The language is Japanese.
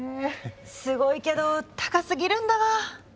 すごいけど高すぎるんだわ。